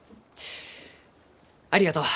ありがとう。